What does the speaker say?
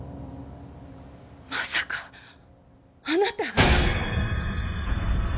まさかあなた。